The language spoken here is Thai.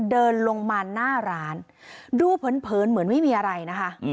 เดินลงมาหน้าร้านดูเผินเหมือนไม่มีอะไรนะคะ